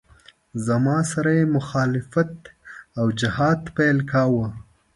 زما سره یې مخالفت او جهاد پیل کاوه.